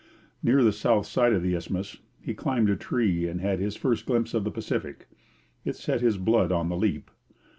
Near the south side of the isthmus he climbed a tree and had his first glimpse of the Pacific. It set his blood on the leap.